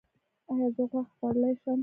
ایا زه غوښه خوړلی شم؟